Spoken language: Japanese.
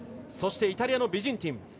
そしてイタリアのビジンティン。